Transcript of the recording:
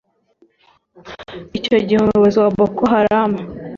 Icyo gihe umuyobozi wa Boko Haram